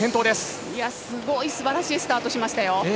すばらしいスタートをしましたよ。